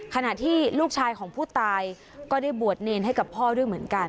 ขณะที่ลูกชายของผู้ตายก็ได้บวชเนรให้กับพ่อด้วยเหมือนกัน